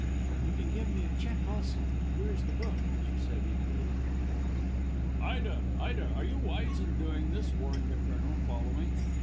"You can give me a cheque also. Here is the book," she said eagerly. "Ida, Ida! Are you wise in doing this?" warned the Colonel, following.